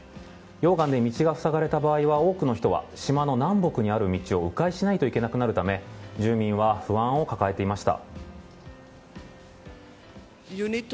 溶岩で道が塞がれた場合は多くの人が島の南北にある道を迂回しないといけなくなるため住民は不安を抱えていました。